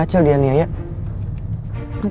acil jangan kemana mana